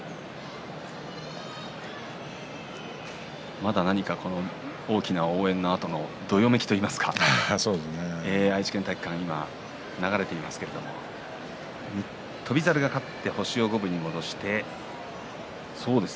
まだ何か、大きな応援のあとのどよめきといいますか愛知県体育館流れていますけれど翔猿が勝って星を五分に戻しました。